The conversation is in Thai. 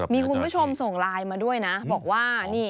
มีคุณผู้ชมส่งไลน์มาด้วยนะบอกว่านี่